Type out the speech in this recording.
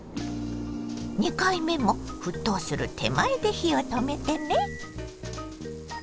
２回目も沸騰する手前で火を止めてね。